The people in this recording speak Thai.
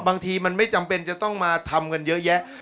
บางทีมันไม่จำเป็นจะต้องมาทำกันเยอะแยะ